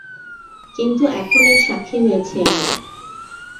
কিন্তু এখন এর সাক্ষী হয়েছি আমি।